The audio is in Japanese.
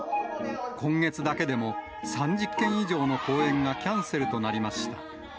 今月だけでも、３０件以上の公演がキャンセルとなりました。